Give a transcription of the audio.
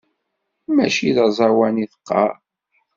Mačči d aẓawan i teɣɣar.